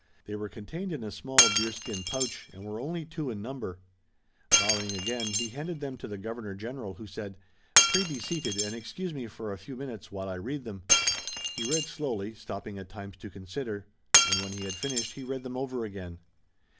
They were contained in a small deerskin pouch, and were only two in number. Bowing again, he handed them to the Governor General, who said: "Pray be seated, and excuse me for a few minutes while I read them." He read slowly, stopping at times to consider, and when he had finished he read them over again.